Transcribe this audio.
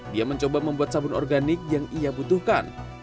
dia mencoba membuat sabun organik yang ia butuhkan